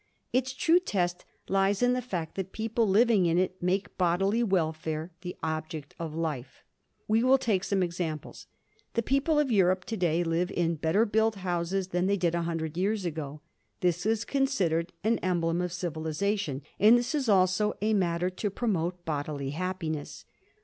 Its true test lies in the fact that people living in it make bodily welfare the object of life. We will take some examples. The people of Europe to day live in better built houses than they did a hundred years ago. This is considered an emblem of civilization, and this is also a matter to promote bodily happiness.